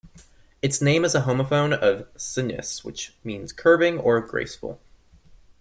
Its name is a homophone of sinuous, which means curving, or graceful.